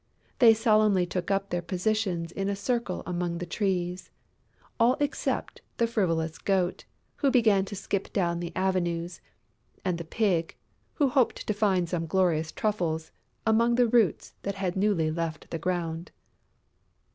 They solemnly took up their positions in a circle among the Trees, all except the frivolous Goat, who began to skip down the avenues, and the Pig, who hoped to find some glorious truffles among the roots that had newly left the ground.